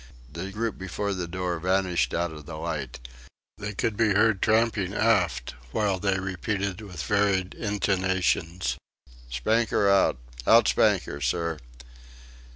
The group before the door vanished out of the light. They could be heard tramping aft while they repeated with varied intonations: "Spanker out!"... "Out spanker, sir!"